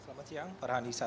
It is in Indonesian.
selamat siang farhan nisa